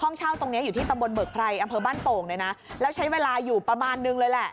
เช่าตรงนี้อยู่ที่ตำบลเบิกไพรอำเภอบ้านโป่งเลยนะแล้วใช้เวลาอยู่ประมาณนึงเลยแหละ